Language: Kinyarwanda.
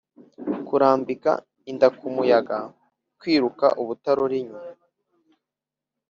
kurambika inda ku muyaga: kwiruka ubutarora inyuma